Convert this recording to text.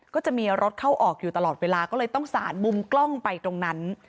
ก็จะมีรถเข้าออกอยู่ตลอดเวลาก็เลยต้องสารมุมกล้องไปตรงนั้น